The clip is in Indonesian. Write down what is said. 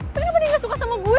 tapi kenapa dia gak suka sama gue